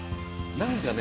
何かね。